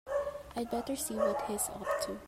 I'd better see what he's up to.